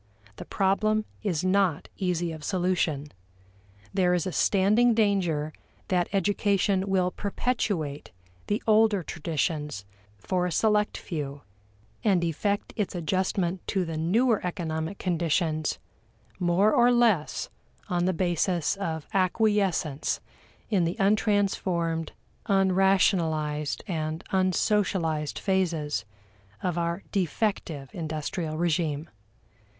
The problem is not easy of solution. There is a standing danger that education will perpetuate the older traditions for a select few, and effect its adjustment to the newer economic conditions more or less on the basis of acquiescence in the untransformed, unrationalized, and unsocialized phases of our defective industrial regime.